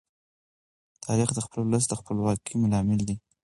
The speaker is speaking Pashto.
تاریخ د خپل ولس د خپلواکۍ لامل دی.